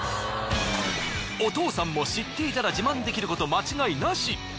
お父さんも知っていたら自慢できること間違いなし。